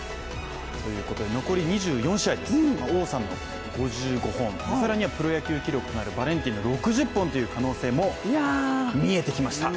残り２４試合です、王さんの５５本、更にはプロ野球記録となるバレンティンの６０本という可能性も出てきました。